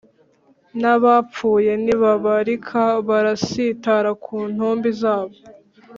n’abapfuye ntibabarika Barasitara ku ntumbi zabo